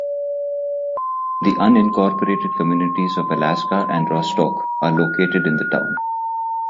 The unincorporated communities of Alaska and Rostok are located in the town.